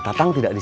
yuk ambil aja